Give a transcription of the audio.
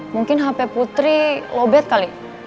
mungkin hp putri lobet kali